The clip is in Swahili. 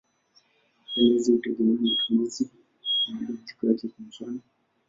Aina hizi hutegemea matumizi na mabadiliko yake; kwa mfano.